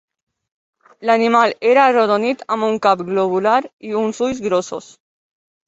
L’animal era arrodonit amb un cap globular i uns ulls grossos.